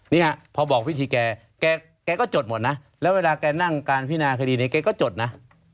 เนี่ยพอบอกวิธีแกแกก็จดหมดนะแล้วเวลาแกนั่งการพินาคดีนี้แกก็จดนะ